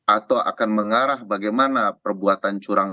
atau akan mengarah bagaimana perbuatan curang